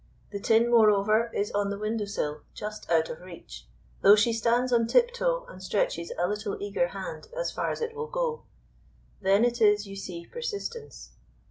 The tin, moreover, is on the window sill just out of reach, though she stands on tip toe and stretches a little eager hand as far as it will go. Then it is you see persistence.